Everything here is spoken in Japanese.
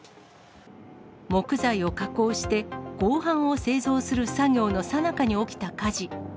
木材を加工して、合板を製造する作業のさなかに起きた火事。